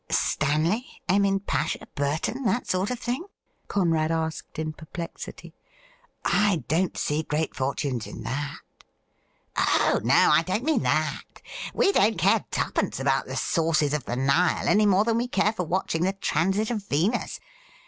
' Stanley, Emin Pasha, Burton, that sort of thing i"' Conrad asked in perplexity. ' I don't see great fortunes in that.' ' Oh no, I don't mean that. We don't care twopence about the sources of the Nile any more than we care for watchine the transit of Venus.